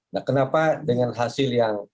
nah kenapa dengan hasil yang